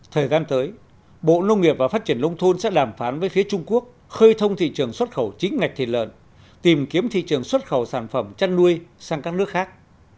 thời gian tới bộ nông nghiệp và phát triển nông thôn sẽ đàm phán với phía trung quốc khơi thông thị trường xuất khẩu chính ngạch thịt lợn tìm kiếm thị trường xuất khẩu sản phẩm chăn nuôi sang các nước khác